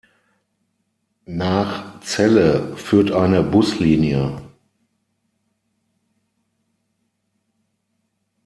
Nach Celle führt eine Buslinie.